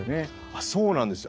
あそうなんですよ。